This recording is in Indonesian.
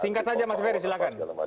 singkat saja mas ferry silahkan